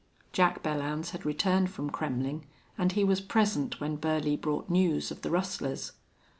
Jack Belllounds had returned from Kremmling and he was present when Burley brought news of the rustlers.